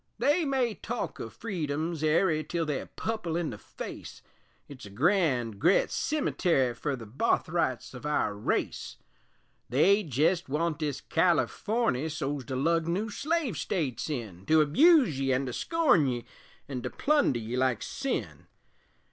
They may talk o' Freedom's airy Tell they're pupple in the face It's a grand gret cemetary Fer the barthrights of our race; They jest want this Californy So's to lug new slave States in To abuse ye, an' to scorn ye, An' to plunder ye like sin.